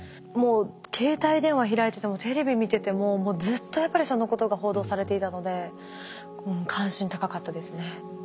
もう携帯電話開いててもテレビ見ててももうずっとやっぱりそのことが報道されていたので関心高かったですね。